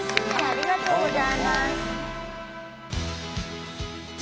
ありがとうございます。